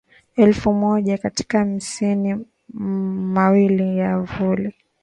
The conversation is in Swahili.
elfu moja katika misimu miwili ya vuli